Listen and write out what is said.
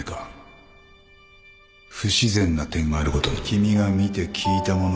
君が見て聞いたもの